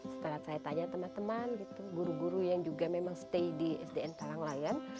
setelah saya tanya teman teman guru guru yang juga memang stay di sdn kalanglayan